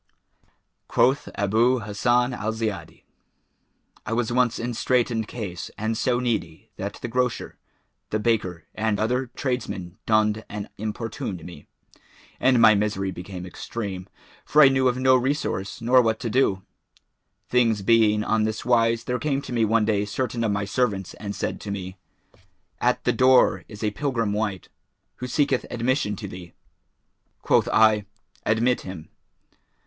Quoth Abъ Hassбn al Ziyбdi[FN#417]: "I was once in straitened case and so needy that the grocer, the baker and other tradesmen dunned and importuned me; and my misery became extreme, for I knew of no resource nor what to do. Things being on this wise there came to me one day certain of my servants and said to me, 'At the door is a pilgrim wight, who seeketh admission to thee.' Quoth I, 'Admit him.'